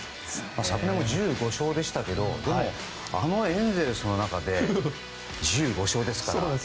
昨年も１５勝でしたけどあのエンゼルスの中で１５勝ですから。